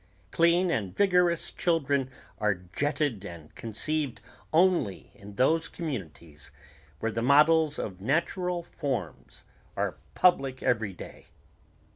Clean and vigorous children are jetted and conceived only in those communities where the models of natural forms are public every day